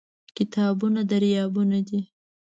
کتابونه دریابونه دي.